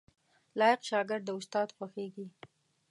لايق شاګرد د استاد خوښیږي